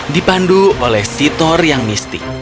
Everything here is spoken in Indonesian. dipandu oleh sitor yang mistik